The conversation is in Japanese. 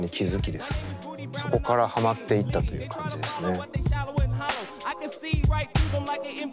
そこからはまっていったという感じですね。